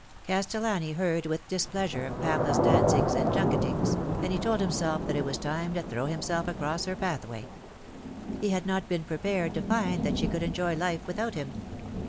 Castellani heard with displeasure of Pamela's dancings and junketings, and he told himself that it was time to throw him self across her pathway. He had not been prepared to find that she could enjoy life without him.